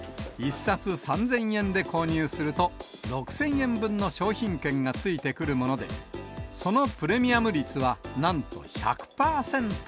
１冊３０００円で購入すると、６０００円分の商品券がついてくるもので、そのプレミアム率は、なんと１００％。